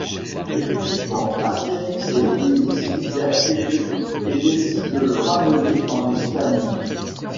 Effectivement, Astérix et Obélix libèrent Pépé et décident de le ramener en Hispanie.